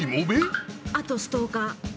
あとストーカー。